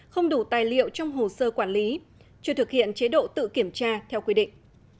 không đủ tài liệu trong hồ sơ quản lý chưa thực hiện chế độ tự kiểm tra theo quy định